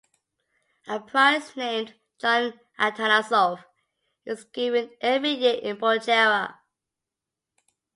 A prize named John Atanasov is given every year in Bulgaria.